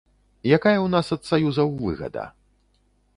Якая ў нас ад саюзаў выгада?